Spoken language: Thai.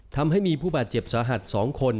ทำให้มีผู้บาดเจ็บสาหัส๒คน